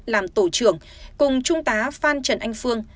làm tổ trưởng cùng trung tá phan trần anh phương